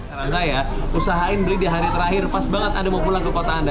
karena saya usahain beli di hari terakhir pas banget anda mau pulang ke kota anda